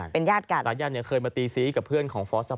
เป็นญาติกันสายันเนี่ยเคยมาตีซี้กับเพื่อนของฟอสครับ